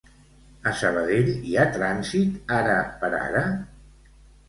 A Sabadell hi ha trànsit ara per ara?